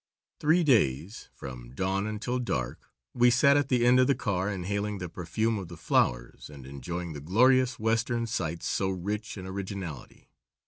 Three days, from dawn until dark, we sat at the end of the car inhaling the perfume of the flowers and enjoying the glorious Western sights so rich in originality.